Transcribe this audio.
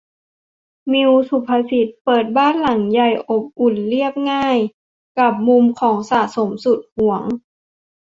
มิว ศุภศิษฏ์ เปิดบ้านหลังใหญ่ อบอุ่น เรียบง่าย กับมุมของสะสมสุดหวง